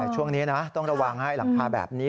ช่วงนี้นะต้องระวังให้หลังคาแบบนี้